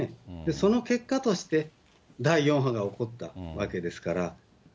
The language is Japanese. その結果として、第４波が起こったわけですから。